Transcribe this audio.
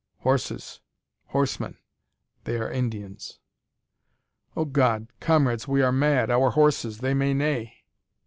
"Horses! horsemen! They are Indians!" "Oh, God! comrades, we are mad! Our horses: they may neigh!"